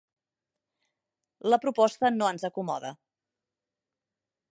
La proposta no ens acomoda.